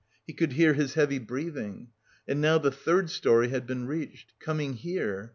He could hear his heavy breathing. And now the third storey had been reached. Coming here!